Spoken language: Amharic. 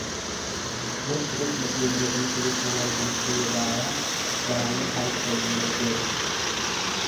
ዌስት ሌክ ሁለተኛ ደረጃ ትምህርት ቤት ተማሪ የሆነችው የዳያ ብራውንም ታሪክ ከዚህ የተለየ አይደለም።